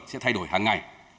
sẽ thay đổi hàng ngày